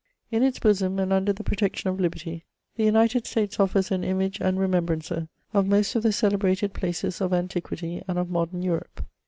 In its bosom, and under the protection of liberty, the United States ofiers an image and remembrancer of most of the celebrated places of antiquity and of modem Europe.